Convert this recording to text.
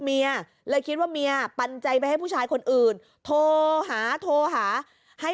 เมียเลยคิดว่าเมียปันใจไปให้ผู้ชายคนอื่นโทรหาโทรหาให้